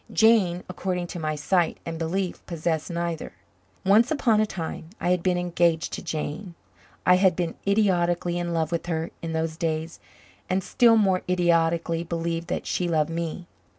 Jane, according to my sight and belief, possessed neither. Once upon a time I had been engaged to Jane. I had been idiotically in love with her in those days and still more idiotically believed that she loved me.